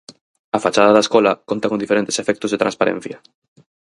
A fachada da escola conta con diferentes efectos de transparencia.